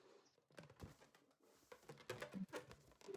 叶片对臂虫为海绵盘虫科对臂虫属的动物。